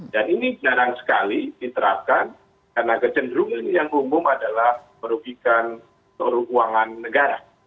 dan ini jarang sekali diterapkan karena kecenderungan yang umum adalah merugikan seluruh uangan negara